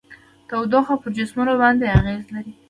تودوخه پر جسمونو باندې اغیزې لري.